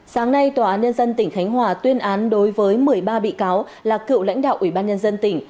sáng nay tòa án nhân dân tỉnh khánh hòa tuyên án đối với một mươi ba bị cáo là cựu lãnh đạo ủy ban nhân dân tỉnh